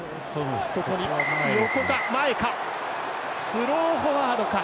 スローフォワードか。